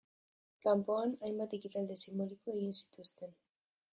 Kanpoan, hainbat ekitaldi sinboliko egin zituzten.